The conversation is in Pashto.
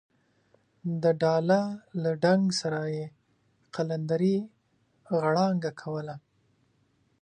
د ډاله له ډنګ سره یې قلندرې غړانګه کوله.